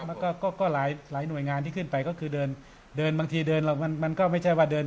มันก็ก็หลายหลายหน่วยงานที่ขึ้นไปก็คือเดินเดินบางทีเดินแล้วมันก็ไม่ใช่ว่าเดิน